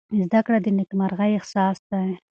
زده کړه د نېکمرغۍ اساس دی.